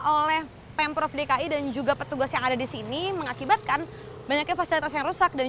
oleh pemprov dki dan juga petugas yang ada di sini mengakibatkan banyaknya fasilitas yang rusak dan